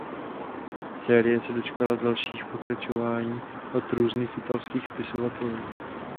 Série se dočkala dalších pokračování od různých italských spisovatelů.